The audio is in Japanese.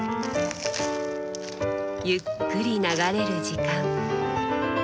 ゆっくり流れる時間。